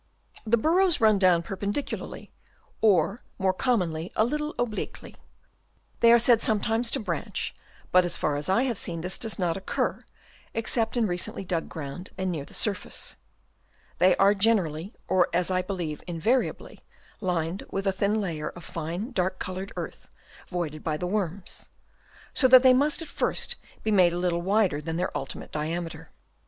The burrows run down perpendicularly, or more commonly a little obliquely. They are said sometimes to branch, but as far as I have seen this does not occur, except in recently dug ground and near the surface. They are Chap. II. CONSTRUCTION OF THEIR BURROWS. 113 general^, or as I believe invariably, lined with a thin layer of fine, dark coloured earth voided by the worms ; so that they must at first be made a little wider than their ultimate diameter.